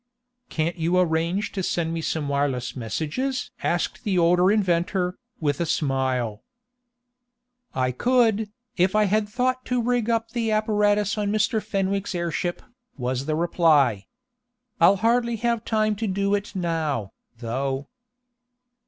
"Can't you arrange to send me some wireless messages?" asked the older inventor, with a smile. "I could, if I had thought to rig up the apparatus on Mr. Fenwick's airship," was the reply. "I'll hardly have time to do it now, though."